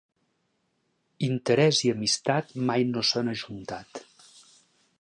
Interès i amistat mai no s'han ajuntat.